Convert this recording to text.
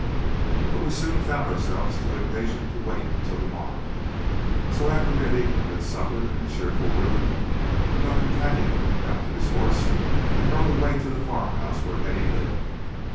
But we soon found ourselves too impatient to wait till the morrow, so after we had eaten a good supper in a cheerful room, Dr. Kenyon mounted his horse, and rode away to the farm house where Hetty lived.